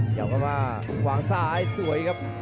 อยากบอกว่าหวังซ้ายสวยครับ